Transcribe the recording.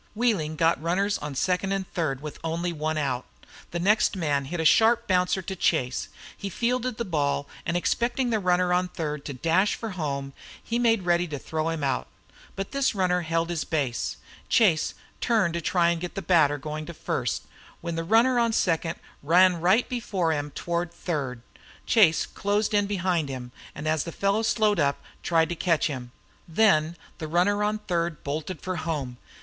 Wheeling got runners on second and third, with only one out. The next man hit a sharp bouncer to Chase. He fielded the ball, and expecting the runner on third to dash for home he made ready to throw him out. But this runner held his base. Chase turned to try to get the batter going down to first, when the runner on second ran right before him toward third. Chase closed in behind him, and as the fellow slowed up tried to catch him. Then the runner on third bolted for home.